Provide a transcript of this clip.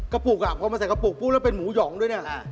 ปุกอ่ะพอมาใส่กระปุกปุ๊บแล้วเป็นหมูหองด้วยเนี่ย